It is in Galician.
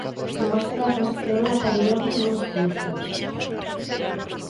Novas prazas levan aparellado novos custos.